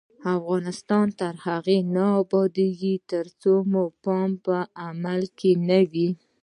افغانستان تر هغو نه ابادیږي، ترڅو مو پام عمل ته نه وي.